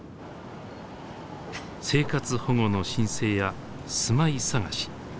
生活保護の申請や住まい探し